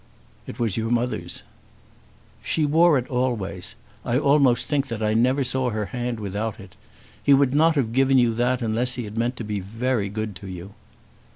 "It was your mother's." "She wore it always. I almost think that I never saw her hand without it. He would not have given you that unless he had meant to be very good to you."